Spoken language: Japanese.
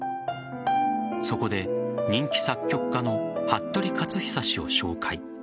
そこで人気作曲家の服部克久氏を紹介。